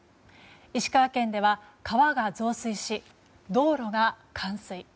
石川県では川が増水し道路が冠水。